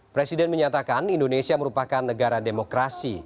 presiden menyatakan indonesia merupakan negara demokrasi